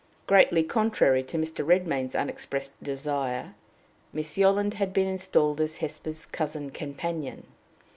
Greatly contrary to Mr. Redmain's unexpressed desire, Miss Yolland had been installed as Hesper's cousin companion.